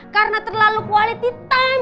karena terlalu quality time